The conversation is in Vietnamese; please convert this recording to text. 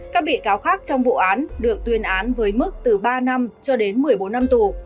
các bị cáo khác trong vụ án được tuyên án với mức từ ba năm cho đến một mươi bốn năm tù